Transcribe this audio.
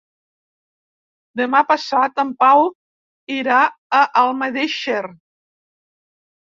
Demà passat en Pau irà a Almedíxer.